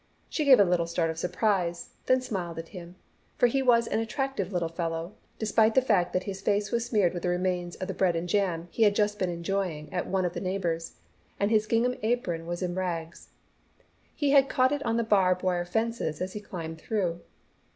She gave a little start of surprise, then smiled at him, for he was an attractive little fellow, despite the fact that his face was smeared with the remains of the bread and jam he had just been enjoying at one of the neighbours, and his gingham apron was in rags. He had caught it on the barb wire fence as he climbed through.